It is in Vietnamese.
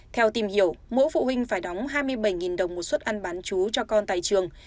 theo tìm hiểu mỗi phụ huynh phải đóng hai mươi bảy đồng một suất ăn bán chú cho con tại trường